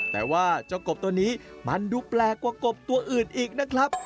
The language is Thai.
แต่ว่าเจ้ากบตัวนี้มันดูแปลกกว่ากบตัวอื่นอีกนะครับ